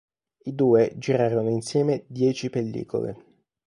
I due girarono insieme dieci pellicole.